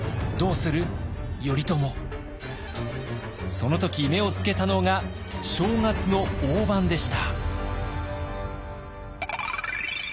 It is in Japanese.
その時目をつけたのが正月の飯でした。